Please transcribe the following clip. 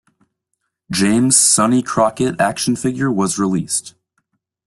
James "Sonny" Crockett action figure was released.